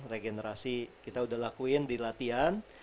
regenerasi kita udah lakuin di latihan